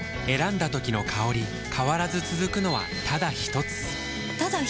選んだ時の香り変わらず続くのはただひとつ？